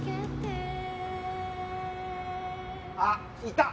あっいた！